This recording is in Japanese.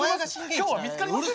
今日は見つかりません。